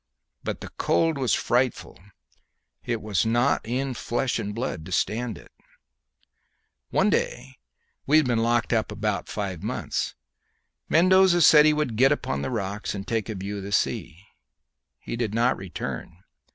But the cold was frightful; it was not in flesh and blood to stand it. One day we had been locked up about five months Mendoza said he would get upon the rocks and take a view of the sea. He did not return.